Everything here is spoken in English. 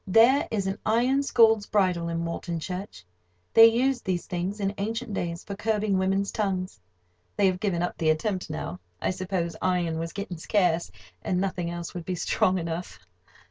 There is an iron "scold's bridle" in Walton Church. They used these things in ancient days for curbing women's tongues. They have given up the attempt now. I suppose iron was getting scarce, and nothing else would be strong enough.